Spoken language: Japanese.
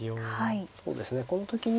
そうですねこの時に。